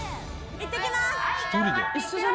いってきます。